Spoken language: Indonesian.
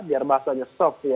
biar bahasanya soft